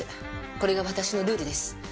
これが私のルールです。